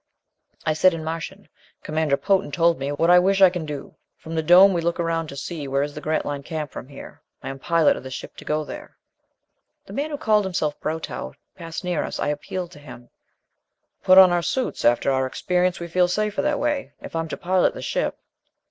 I said in Martian, "Commander Potan told me, what I wish I can do. From the dome we look around to see where is the Grantline camp from here. I am pilot of this ship to go there." The man who had called himself Brotow passed near us. I appealed to him. "We put on our suits. After our experience, we feel safer that way. If I'm to pilot the ship...."